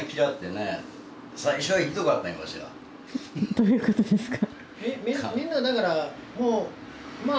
どういうことですか？